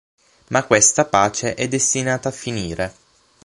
Ma questa pace è destinata a finire.